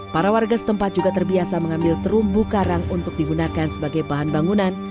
para warga setempat juga terbiasa mengambil terumbu karang untuk digunakan sebagai bahan bangunan